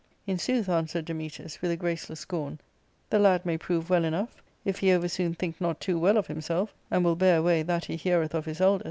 "In sooth," answered Dametas, with a graceless scorn, " the lad may prove well enough, if he over soon think not too well of himself, and will bear away that he heareth of his elders."